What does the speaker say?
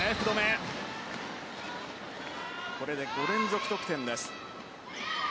これで５連続得点の日本。